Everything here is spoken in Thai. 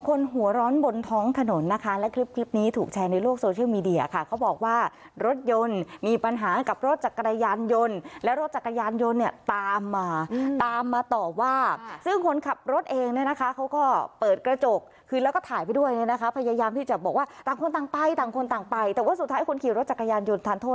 คนหัวร้อนบนท้องถนนนะคะและคลิปนี้ถูกแชร์ในโลกโซเชียลมีเดียค่ะเขาบอกว่ารถยนต์มีปัญหากับรถจักรยานยนต์และรถจักรยานยนต์เนี่ยตามมาตามมาต่อว่าซึ่งคนขับรถเองเนี่ยนะคะเขาก็เปิดกระจกคือแล้วก็ถ่ายไปด้วยเนี่ยนะคะพยายามที่จะบอกว่าต่างคนต่างไปต่างคนต่างไปแต่ว่าสุดท้ายคนขี่รถจักรยานยนต์ทานโทษ